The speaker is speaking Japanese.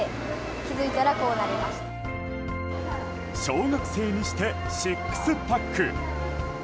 小学生にしてシックスパック。